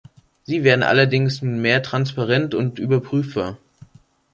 Sie werden allerdings nunmehr transparent und überprüfbar.